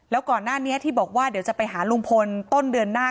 แล้วก่อนหน้านี้ที่บอกว่าเดี๋ยวจะไปหาลุงพลต้นเดือนหน้า